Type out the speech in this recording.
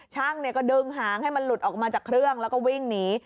ช่างก็ดึงหางให้มันหลุดออกมาจากเครื่องแล้วก็วิ่งหนี